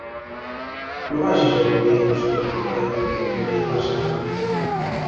No vagis a dormir amb l'estómac ple mentre un veí passa gana.